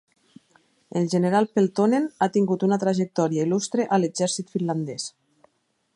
El general Peltonen ha tingut una trajectòria il·lustre a l'exèrcit finlandès.